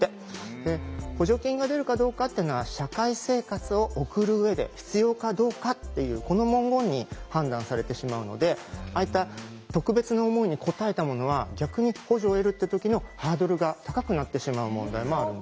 で補助金が出るかどうかっていうのは「社会生活を送る上で必要かどうか」っていうこの文言に判断されてしまうのでああいった特別な思いに応えたものは逆に補助を得るって時のハードルが高くなってしまう問題もあるんですね。